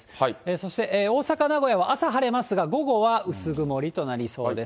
そして大阪、名古屋は朝晴れますが、午後は薄曇りとなりそうです。